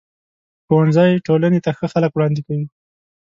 ښوونځی ټولنې ته ښه خلک وړاندې کوي.